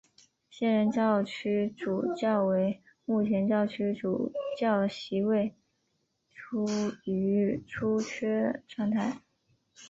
现任教区主教为目前教区主教席位处于出缺状态。